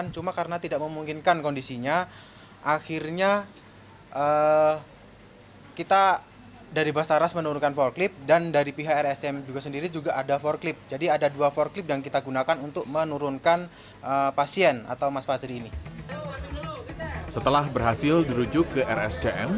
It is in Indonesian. setelah berhasil dirujuk ke rscm